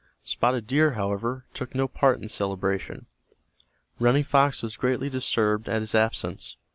Spotted Deer, however, took no part in the celebration. Running Fox was greatly disturbed at his absence.